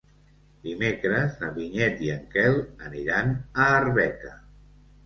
Dimecres na Vinyet i en Quel aniran a Arbeca.